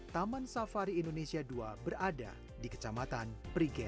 taman safari indonesia ii berada di kecamatan prigen